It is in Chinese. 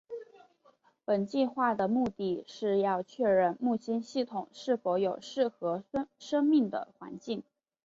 本计画的目的是要确认木星系统是否有适合生命的环境。